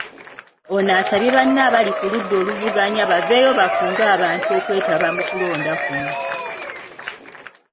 Ono asabye banne abali ku ludda oluvuganya baveeyo bakunge abantu okwetaba mu kulonda kuno.